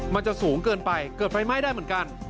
มันจะสูงเกินไปเกิดไฟไหม้ได้เหมือนกัน